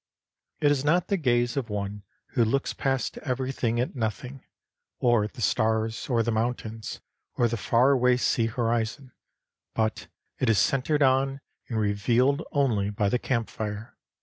It is not the gaze of one who looks past everything at nothing, or at the stars or the mountains or the far away sea horizon; but it is centred on and revealed only by the camp fire.